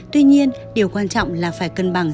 tuy nhiên điều quan trọng là phải cân bằng